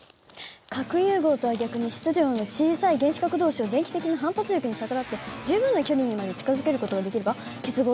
「核融合とは逆に質量の小さい原子核同士を電気的な反発力に逆らって十分な距離にまで近づける事ができれば結合して大きな原子核となる。